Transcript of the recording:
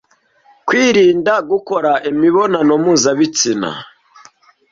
Kwirinda gukora imibonano mpuzabitsina